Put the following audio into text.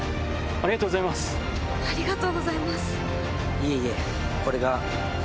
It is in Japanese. ありがとうございます。